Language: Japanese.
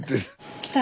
来た？